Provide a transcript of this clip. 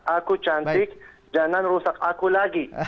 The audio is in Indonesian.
aku cantik jangan rusak aku lagi